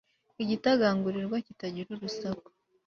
Igitagangurirwa kitagira urusaku